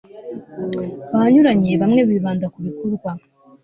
banyuranye bamwe bibanda ku bikorwa